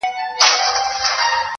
درواري دي سم شاعر سه قلم واخله,